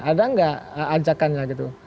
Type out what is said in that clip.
ada nggak ajakannya gitu